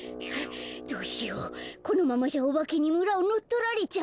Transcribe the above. どうしようこのままじゃおばけにむらをのっとられちゃうよ。